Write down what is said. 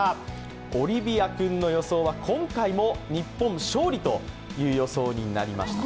オリビア君の予想は今回も日本勝利という予想になりました。